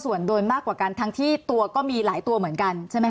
ส่วนโดนมากกว่ากันทั้งที่ตัวก็มีหลายตัวเหมือนกันใช่ไหมค